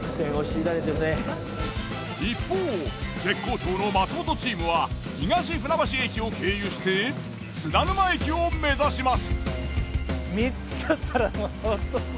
一方絶好調の松本チームは東船橋駅を経由して津田沼駅を目指します。